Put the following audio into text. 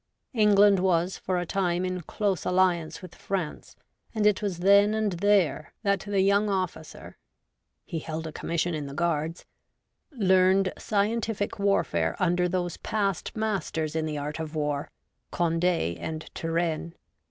England was for a time in close alliance with France, and it was then and there that the young officer — he held a commission in the Guards — learned scientific warfare under those past masters in 78 REVOLTED WOMAN. the art of war, Conde and Turenne.